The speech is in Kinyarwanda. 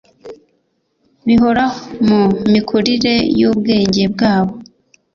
bihoraho mu mikurire y'ubwenge bwabo